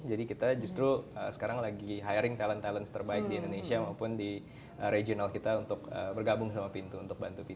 jadi kita justru sekarang lagi hiring talent talent terbaik di indonesia maupun di regional kita untuk bergabung sama pintu untuk bantu pintu